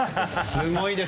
すごいです。